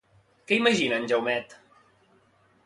Què imagina en Jaumet?